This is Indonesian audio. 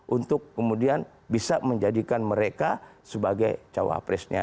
untuk kemudian bisa menjadikan mereka sebagai cawapresnya